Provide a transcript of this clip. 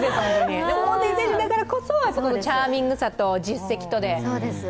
大谷選手だからこそ、そのチャーミングさと実績とで。